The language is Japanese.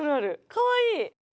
かわいい。